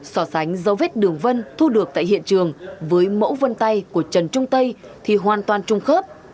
sỏ sánh dấu vết đường vân thu được tại hiện trường với mẫu vân tay của trần trung tây thì hoàn toàn trung khớp